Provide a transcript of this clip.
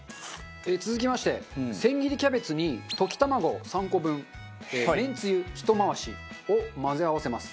続きまして千切りキャベツに溶き卵３個分めんつゆひと回しを混ぜ合わせます。